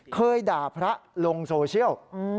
เคยด่าพระลงโซเชียล